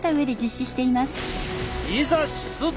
いざ出動！